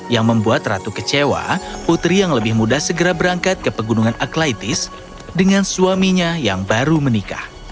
yang membuat ratu kecewa putri yang lebih mudah segera berangkat ke pegunungan aklaitis dengan suaminya yang baru menikah